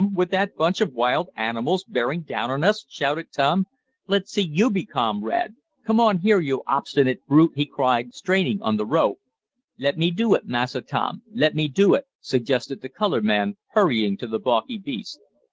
With that bunch of wild animals bearing down on us?" shouted Tom. "Let's see you be calm, Rad. Come on here, you obstinate brute!" he cried, straining on the rope. "Let me do it, Massa Tom. Let me do it," suggested the colored man hurrying to the balky beast.